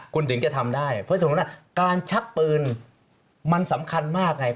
คุณถึงจะทำได้เพราะฉะนั้นการชักปืนมันสำคัญมากไง